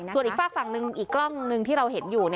ส่วนอีกฝากฝั่งหนึ่งอีกกล้องหนึ่งที่เราเห็นอยู่